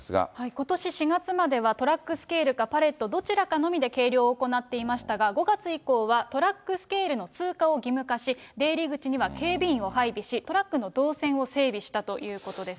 ことし４月まではトラックスケールかパレットどちらかのみで計量を行っていましたが、５月以降はトラックスケールの通過を義務化し、出入り口には警備員を配備し、トラックの動線を整備したということです。